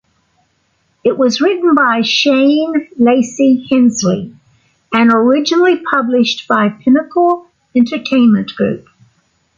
It was written by Shane Lacy Hensley and originally published by Pinnacle Entertainment Group.